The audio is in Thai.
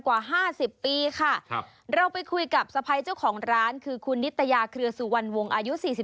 กว่า๕๐ปีค่ะเราไปคุยกับสะพ้ายเจ้าของร้านคือคุณนิตยาเครือสุวรรณวงศ์อายุ๔๒